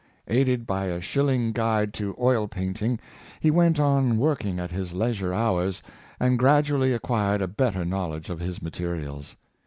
Aided by a shil ling Guide to Oil Painting, he went on working at his leisure hours, and gradually acquired a better knowl edge of his materials.